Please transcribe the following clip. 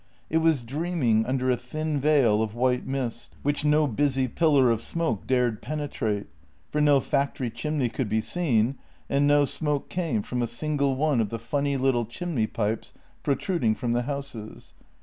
It was dreaming under a thin veil of w r hite mist, which no busy pillar of smoke dared penetrate, for no factory chimney could be seen, and no smoke came from a single one of the funny little chimney pipes protruding from the houses.